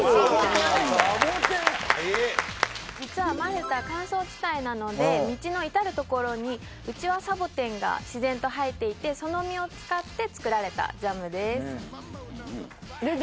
実はマルタ乾燥地帯なので道の至るところにウチワサボテンが自然と生えていてその実を使って作られたジャムですえっ